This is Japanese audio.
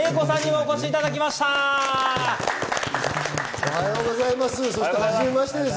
おはようございます。